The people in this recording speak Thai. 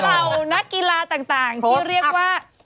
เหล่านักกีฬาต่างที่เรียกว่า